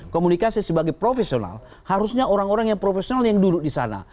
komunikasi sebagai profesional harusnya orang orang yang profesional yang duduk di sana